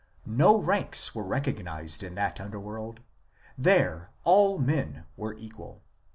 No ranks were recognized in that underworld ; there all men were equal.